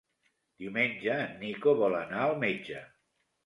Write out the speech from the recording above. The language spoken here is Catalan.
Diumenge en Nico vol anar al metge.